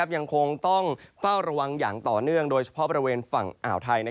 ยังคงต้องเฝ้าระวังอย่างต่อเนื่องโดยเฉพาะบริเวณฝั่งอ่าวไทย